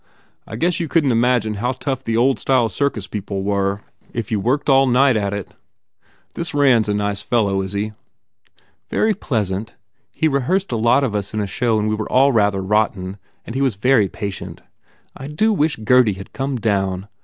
I guess you couldn t imagine how tough the old style circus people were if you worked all night at it. This Rand s a nice fellow, is he?" "Very pleasant. He rehearsed a lot of us in a show and we were all rather rotten and he was very patient. I do wish Gurdy had come down